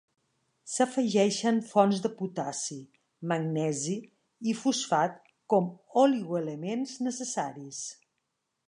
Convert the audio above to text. S'afegeixen fonts de potassi, magnesi i fosfat com oligoelements necessaris.